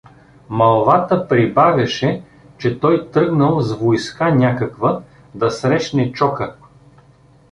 Мълвата прибавяше, че той тръгнал с войска някаква да срещне Чока.